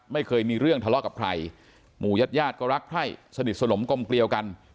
ไม่เคยมีเรื่องทะเลาะกับใครหมู่ญาติญาติก็รักไพร่สนิทสนมกลมเกลียวกัน